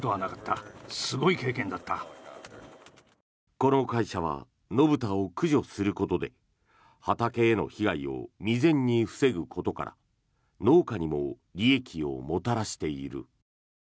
この会社は野豚を駆除することで畑への被害を未然に防ぐことから農家にも利益をもたらしている。